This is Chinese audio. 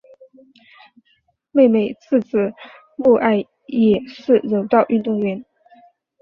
妹妹志志目爱也是柔道运动员。